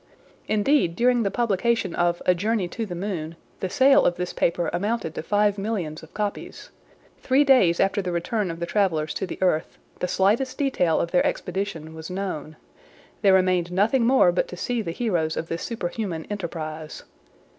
Indeed, during the publication of "A Journey to the Moon," the sale of this paper amounted to five millions of copies. Three days after the return of the travelers to the earth, the slightest detail of their expedition was known. There remained nothing more but to see the heroes of this superhuman enterprise.